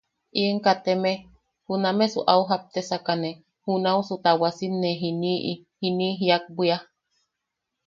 “ien kaateme, junamesu au japtesakane, junaʼusu tawasimmne jiniʼi... jiniʼi jiak bwia”.